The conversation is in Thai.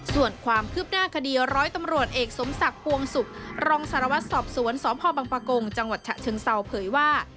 ส่วนความคืบหน้าคดีร้อยตำรวจเอกสมศักดิ์ปวงศุกร์รองสารวัตรสอบสวนสพบังปะกงจังหวัดฉะเชิงเซาเผยว่า